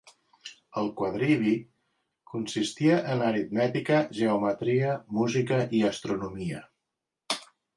El quadrivi consistia en aritmètica, geometria, música i astronomia.